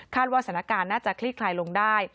ว่าสถานการณ์น่าจะคลี่คลายลงได้